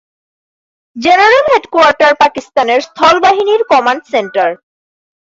General headquarter পাকিস্তানের স্থল বাহিনীর কমান্ড সেন্টার।